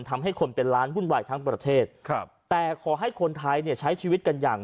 ทำให้คนเป็นล้านวุ่นวายทั้งประเทศครับแต่ขอให้คนไทยเนี่ยใช้ชีวิตกันอย่าง